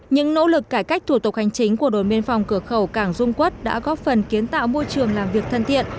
những nỗ lực cải cách thủ tục hành chính của đồn biên phòng cửa khẩu cảng dung quốc đã góp phần kiến tạo môi trường làm việc thân thiện